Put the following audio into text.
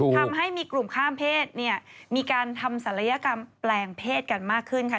ทำให้มีกลุ่มข้ามเพศเนี่ยมีการทำศัลยกรรมแปลงเพศกันมากขึ้นค่ะ